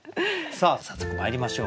さあ早速まいりましょう。